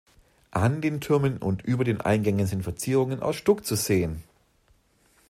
An den Türmen und über den Eingängen sind Verzierungen aus Stuck zu sehen.